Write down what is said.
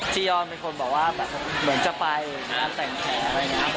จียอนเป็นคนคิดแบบว่าเหมือนจะไปงานแต่งแพร่